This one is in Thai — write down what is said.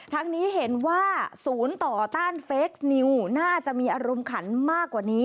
ทั้งนี้เห็นว่าศูนย์ต่อต้านเฟคนิวน่าจะมีอารมณ์ขันมากกว่านี้